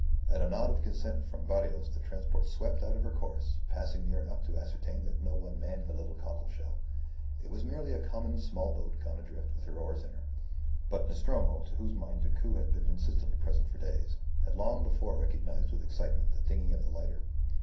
At a nod of consent from Barrios the transport swept out of her course, passing near enough to ascertain that no one manned the little cockle shell. It was merely a common small boat gone adrift with her oars in her. But Nostromo, to whose mind Decoud had been insistently present for days, had long before recognized with excitement the dinghy of the lighter.